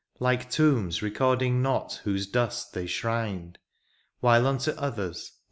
Like tombs recording not whose dust they shrined; While unto others.